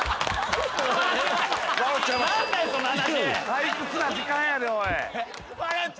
退屈な時間やでおい。